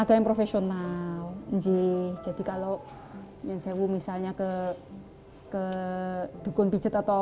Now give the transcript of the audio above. tapi tidak ada keluhan anaknya